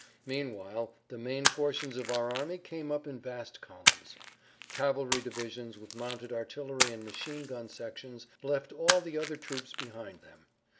Meanwhile the main portions of our army came up in vast columns. Cavalry divisions with mounted artillery and machine gun sections left all the other troops behind them.